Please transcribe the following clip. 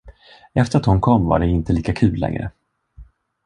Efter att hon kom var det inte lika kul längre.